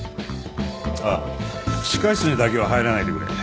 あっ地下室にだけは入らないでくれ。